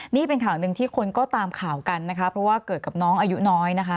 นี่เป็นข่าวหนึ่งที่คนก็ตามข่าวกันนะคะเพราะว่าเกิดกับน้องอายุน้อยนะคะ